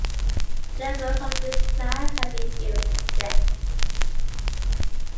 No boats of this class have been built yet.